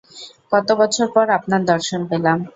কতো বছর পর আপনার দর্শন পেলাম!